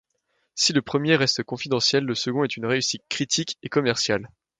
Si le premier reste confidentiel, le second est une réussite critique et commerciale.